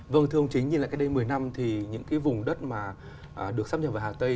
vâng thưa ông chính nhìn lại cách đây một mươi năm thì những cái vùng đất mà được sắp nhập vào hà tây